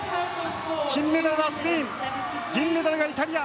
金メダルはスペイン銀メダルがイタリア